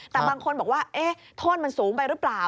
แต่บางคนบอกว่าโทษมันสูงไปหรือเปล่า